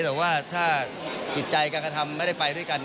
แต่ว่าถ้าจิตใจการกระทำไม่ได้ไปด้วยกัน